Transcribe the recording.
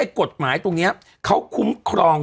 กฎหมายตรงนี้เขาคุ้มครอง